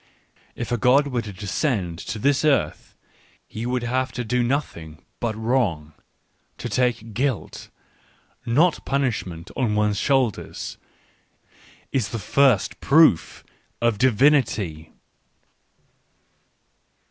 If a god were to descend to this earth, he would have to Digitized by Google 20 ECCE HOMO do nothing but wrong — to take guilt, not punish ment, on one's shoulders > is the first proof of divinity.